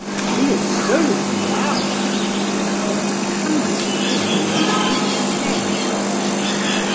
He is so loud that one cannot bear what he says.